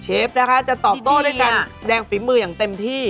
เชฟนะคะจะตอบโต้ด้วยการแสดงฝีมืออย่างเต็มที่